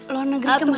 luar negeri kemana